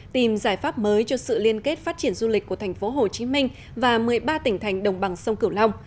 tìm giải pháp mới cho sự liên kết phát triển du lịch của thành phố hồ chí minh và một mươi ba tỉnh thành đồng bằng sông cửu long